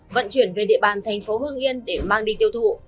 vận chuyển về địa bàn thành phố hương yên để mang đi tiêu thụ